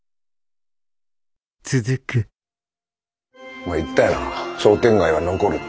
お前言ったよな商店街は残るって。